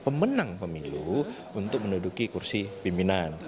pemenang pemilu untuk menduduki kursi pimpinan